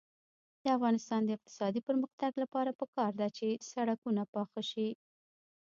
د افغانستان د اقتصادي پرمختګ لپاره پکار ده چې سړکونه پاخه شي.